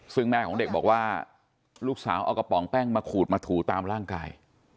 ซึ่งแม่ของเด็กบอกว่าลูกสาวเอากระป๋องแป้งมาขูดมาถูตามร่างกาย